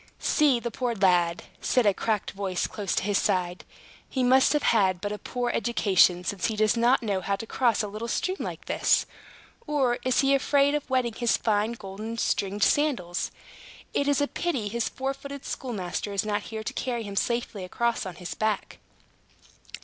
"See the poor lad," said a cracked voice close to his side. "He must have had but a poor education, since he does not know how to cross a little stream like this. Or is he afraid of wetting his fine golden stringed sandals? It is a pity his four footed schoolmaster is not here to carry him safely across on his back!"